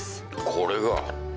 これが。